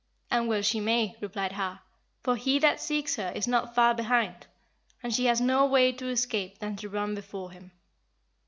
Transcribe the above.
"And well she may," replied Har, "for he that seeks her is not far behind, and she has no way to escape than to run before him."